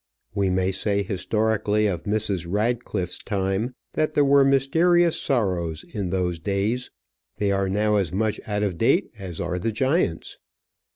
We may say historically of Mrs. Radcliffe's time that there were mysterious sorrows in those days. They are now as much out of date as are the giants.